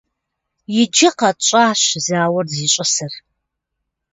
Иджы къэтщӀащ зауэр зищӀысыр.